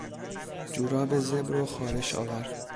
جوراب زبر و خارش آور